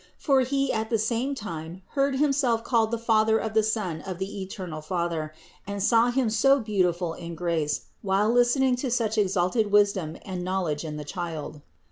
For he at the same time heard himself called the father of the Son of the eternal .Father, and saw Him so beautiful in grace, while listening to such exalted wisdom and knowledge in the Child.